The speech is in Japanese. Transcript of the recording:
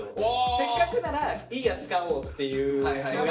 せっかくならいいやつ買おうっていうのが。